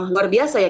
luar biasa ya